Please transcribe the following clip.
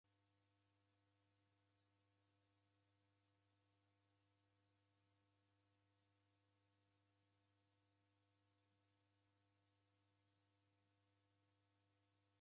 Ado bengi ya w'urumwengu eko isanga jiao?